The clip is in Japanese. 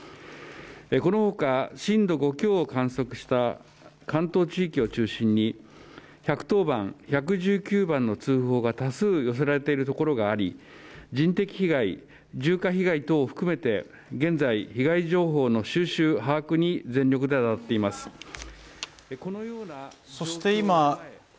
このほか、震度５強を観測した関東地域を中心に１１０番、１１９番の通報が多数寄せられているところがあり、人的被害、住家被害等を含めて現在被害情報の収集把握に全力で当たっています。